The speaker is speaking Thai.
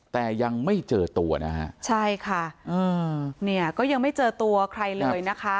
แต่ยังไม่เจอตัวนะฮะใช่ค่ะอืมเนี่ยก็ยังไม่เจอตัวใครเลยนะคะ